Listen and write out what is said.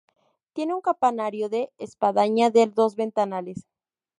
Tiene un campanario de espadaña de dos ventanales.